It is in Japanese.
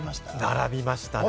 並びましたね。